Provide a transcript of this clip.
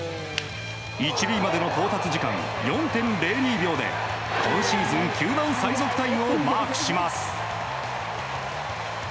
１塁までの到達時間４．０２秒で今シーズン球団最速タイムを更新します。